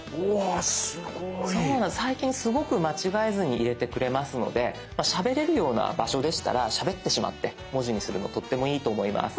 最近すごく間違えずに入れてくれますのでしゃべれるような場所でしたらしゃべってしまって文字にするのとってもいいと思います。